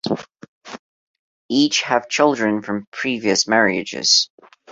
Each have children from previous marriages.